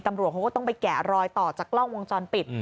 ตำรวจเขาก็ต้องไปแกะรอยต่อจากกล้องวงจรปิด